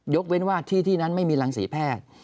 ยกเว้นว่าที่นั้นไม่มีรังสีแพทย์